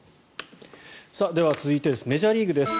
では、続いてメジャーリーグです。